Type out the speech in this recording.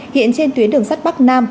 hiện trên tuyến đường sắt bắc nam